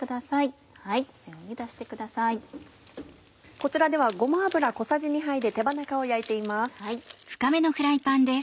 こちらではごま油小さじ２杯で手羽中を焼いています。